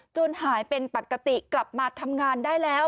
หายเป็นปกติกลับมาทำงานได้แล้ว